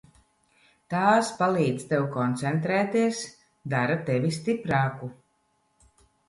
Tās palīdz tev koncentrēties, dara tevi stiprāku.